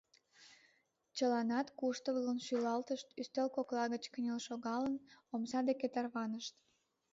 Чыланат куштылгын шӱлалтышт, ӱстел кокла гыч кынел шогалын, омса деке тарванышт.